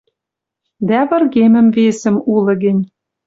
Дӓ выргемӹм весӹм, улы гӹнь...»